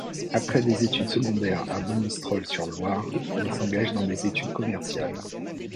Après des études secondaires à Monistrol-sur-Loire, il s'engage dans des études commerciales.